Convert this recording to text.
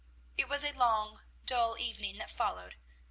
It was a long, dull evening that followed.